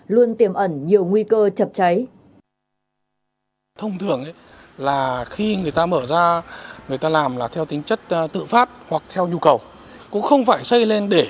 luôn tiềm ẩn nhiều nguy cơ chập cháy